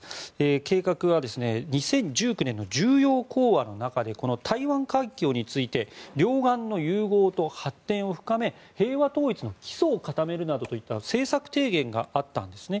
計画は、２０１９年の重要講話の中でこの台湾海峡について両岸の融合と発展を深め平和統一の基礎を固めるなどといった政策提言があったんですね。